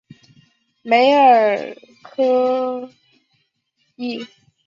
梅尔科厄。